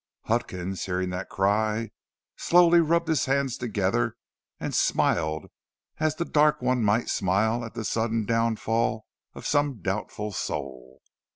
Huckins, hearing that cry, slowly rubbed his hands together and smiled as the Dark One might smile at the sudden downfall of some doubtful soul.